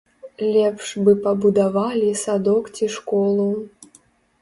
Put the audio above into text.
Лепш бы пабудавалі садок ці школу.